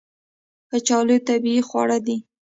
کچالو طبیعي خواړه دي